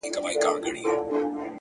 هوډ د شکونو پر وړاندې درېږي’